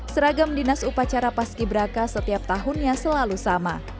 seragam dinas upacara paski braka setiap tahunnya selalu sama